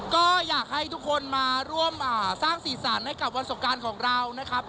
ก็อยากให้ทุกคนมาร่วมสร้างสีสันให้กับวันสงการของเรานะครับ